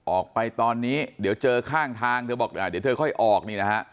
ออกไปตอนนี้เดี๋ยวเจอข้างทางเธอบอกเดี๋ยวเธอค่อยออกนี่นะฮะ